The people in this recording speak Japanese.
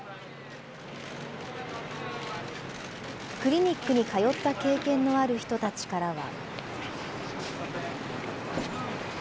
クリニックに通った経験のある人たちからは。